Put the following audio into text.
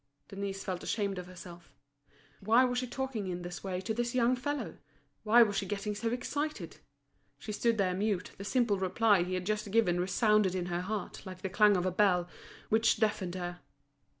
Denise felt ashamed of herself. Why was she talking in this way to this young fellow? Why was she getting so excited? She stood there mute, the simple reply he had just given resounded in her heart like the clang of a bell, which deafened her.